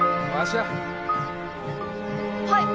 はい。